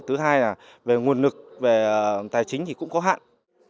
thứ hai là về nguồn lực về tài chính thì cũng có hạn